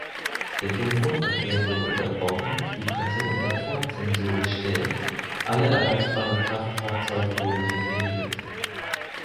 Der Telefonverkehr wurde unterbrochen, die Presse unter Vorzensur gestellt, alle erreichbaren Kraftfahrzeuge wurden requiriert.